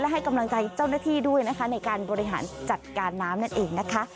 ให้กำลังใจเจ้าหน้าที่ด้วยนะคะในการบริหารจัดการน้ำนั่นเองนะคะ